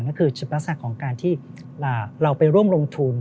ก็คือลักษณะของการที่เราไปร่วมลงทุน